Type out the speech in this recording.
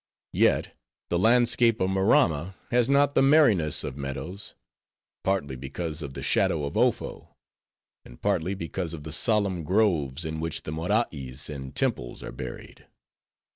Yet the landscape of Maramma has not the merriness of meadows; partly because of the shadow of Ofo, and partly because of the solemn groves in which the Morais and temples are buried.